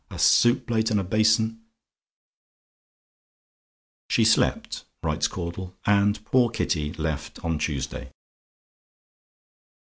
A soup plate and a basin!" "She slept," writes Caudle, "and poor Kitty left on Tuesday."